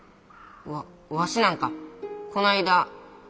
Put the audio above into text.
ワワシなんかこないだ